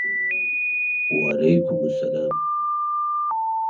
"The beetroot adds a nice earthy sweetness to the dish."